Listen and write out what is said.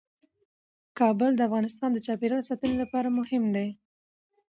کابل د افغانستان د چاپیریال ساتنې لپاره مهم دي.